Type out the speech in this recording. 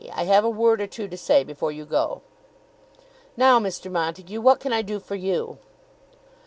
I have a word or two to say before you go. Now, Mr. Montague, what can I do for you?"